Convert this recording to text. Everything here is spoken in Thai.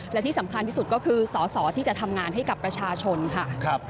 และที่สำคัญที่สุดก็คือสอสอที่จะทำงานให้กับประชาชนค่ะ